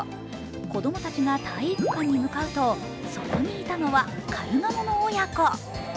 子供たちが体育館に向かうとそこにいたのはカルガモの親子。